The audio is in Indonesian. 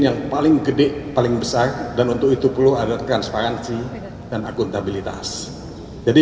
yang paling gede paling besar dan untuk itu perlu ada transparansi dan akuntabilitas jadi